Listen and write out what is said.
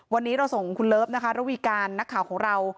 วันนี้เราส่งคุณเลิฟนะคะระวีการนักข่าวของเรา